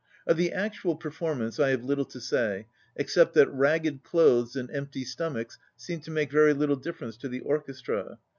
92 Of the actual performance I have little to say except that ragged clothes and empty stomachs seemed to make very little difference to the orches tra.